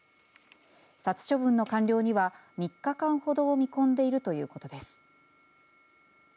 殺処分の完了には３日間ほどを見込んでいるということです。